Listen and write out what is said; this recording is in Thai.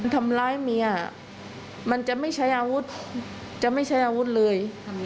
ทำร้ายเมียมันจะไม่ใช้อาวุธจะไม่ใช้อาวุธเลย